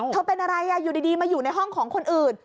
เป็นอะไรอยู่ดีมาอยู่ในห้องของคนอื่น